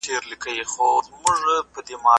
مهربانه پلار خپل ځوان زوی ته ګټور نصيحت وکړ.